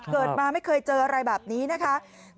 เกิดมาไม่เคยเจออะไรแบบนี้นะคะ